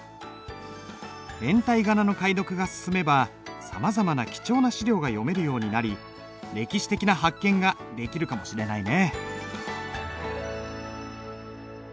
変体仮名の解読が進めばさまざまな貴重な資料が読めるようになり歴史的な発見ができるかもしれないね。